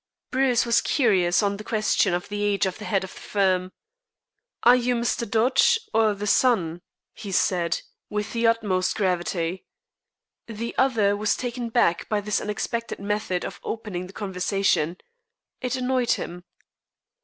Bruce was curious on the question of the age of the head of the firm. "Are you Mr. Dodge, or the son?" he said, with the utmost gravity. The other was taken back by this unexpected method of opening the conversation. It annoyed him.